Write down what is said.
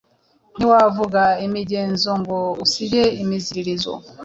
Ntiwavuga imigenzo ngo usige imiziririzo.